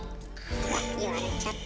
うわっ言われちゃった。